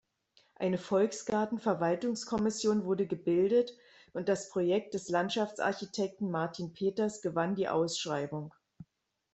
Eine Volksgarten-Verwaltungskommission wurde gebildet, und das Projekt des Landschaftsarchitekten Martin Peters gewann die Ausschreibung.